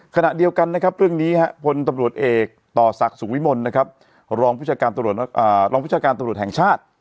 ขณะเดียวกันเรื่องนี้ผลตำรวจเอกต่อศักดิ์สุวิมลรองพิชาการตำรวจแห่งชาติ